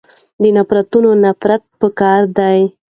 د نفرتونونه نفرت پکار دی.